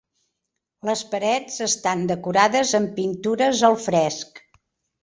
Les parets estan decorades amb pintures al fresc.